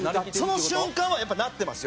その瞬間はやっぱなってますよ。